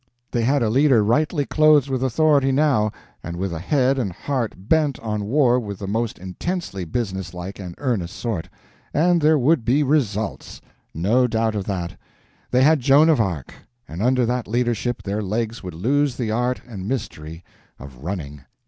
They had a leader rightly clothed with authority now, and with a head and heart bent on war of the most intensely businesslike and earnest sort—and there would be results. No doubt of that. They had Joan of Arc; and under that leadership their legs would lose the art and mystery of running.